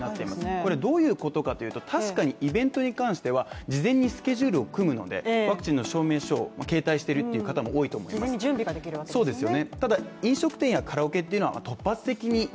これどういうことかというと確かにイベントに関しては、事前にスケジュールを組むのでワクチンの証明書を携帯してるっていう方も多いところに準備ができればそうですよね。